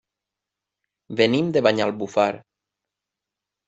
Venim de Banyalbufar.